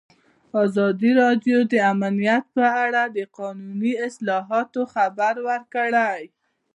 ازادي راډیو د امنیت په اړه د قانوني اصلاحاتو خبر ورکړی.